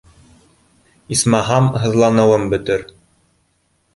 Исмаһам, һыҙланыуым бөтөр.